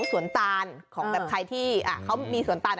คล้ายกับมะพร้าว